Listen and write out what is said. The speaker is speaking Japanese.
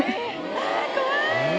あっ怖い。